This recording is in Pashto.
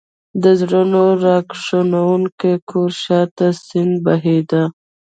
د زړه راکښونکي کور شا ته سیند بهېده.